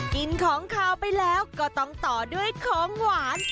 กินของขาวไปแล้วก็ต้องต่อด้วยของหวาน